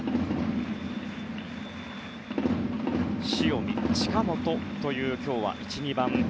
塩見、近本という今日の１、２番。